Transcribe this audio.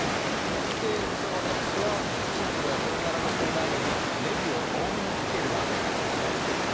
そして不肖私はシンプルな鶏ガラのラーメンにねぎを多めにかけるラーメンが好きです。